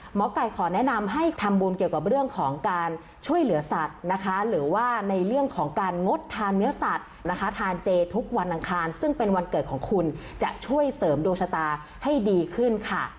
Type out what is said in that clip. หมอไก่ขอแนะนำให้ทำบุญเกี่ยวกับเรื่องของการช่วยเหลือสัตว์นะคะหรือว่าในเรื่องของการงดทานเนื้อสัตว์นะคะทานเจทุกวันอังคารซึ่งเป็นวันเกิดของคุณจะช่วยเสริมดวงชะตาให้ดีขึ้นค่ะ